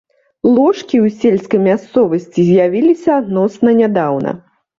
Ложкі ў сельскай мясцовасці з'явіліся адносна нядаўна.